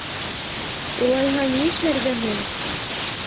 Улайһа, ни эшләргә һуң?